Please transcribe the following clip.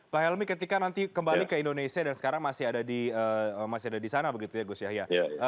pak helmi ketika nanti kembali ke indonesia dan sekarang masih ada di sana begitu ya gus yahya